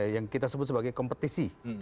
yang kita sebut sebagai kompetisi